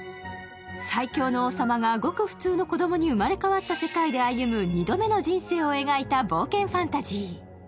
最強の王様がごく普通の子供に生まれ変わった世界で歩む、二度目の人生を描いた冒険ファンタジー。